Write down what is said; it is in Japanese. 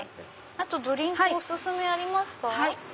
あとドリンクお薦めありますか？